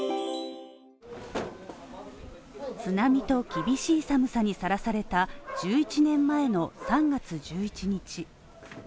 津波と厳しい寒さにさらされた１１年前の３月１１日。